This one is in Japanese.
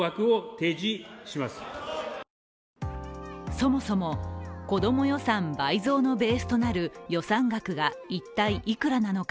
そもそも、子ども予算倍増のベースとなる予算額が一体、いくらなのか